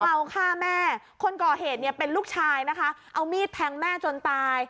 เมาฆ่าแม่คนก่อเหตุเนี่ยเป็นลูกชายนะคะเอามีดแทงแม่จนตาย